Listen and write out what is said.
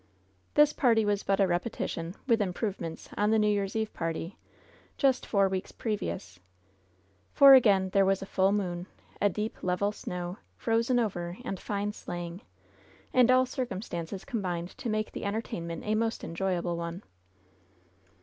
This party was but a repetition, with improvements, on the New Year's Eve party, just four weeks previous; for again there was a full moon, a deep, level snow, frozen over, and fine sleighing, and all circumstances combined to make the entertainment a most enjoyable one.